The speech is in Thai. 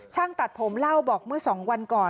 ช่างตัดผมเล่าบอกเมื่อ๒วันก่อน